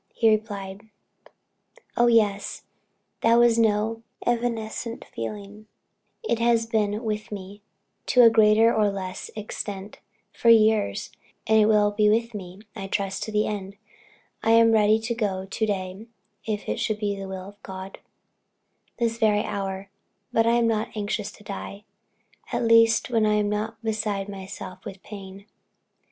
He replied, "Oh yes; that was no evanescent feeling. It has been with me, to a greater or less extent, for years, and will be with me, I trust, to the end. I am ready to go to day if it should be the will of God, this very hour; but I am not anxious to die at least when I am not beside myself with pain."